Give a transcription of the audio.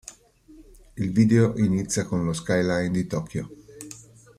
Il video inizia con lo skyline di Tokyo.